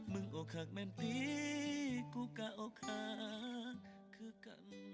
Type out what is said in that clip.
มึงออกหักแม่นพี่กูกะออกหัก